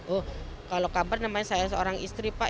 oh kalau kabar namanya saya seorang istri pak